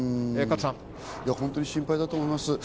本当に心配だと思います。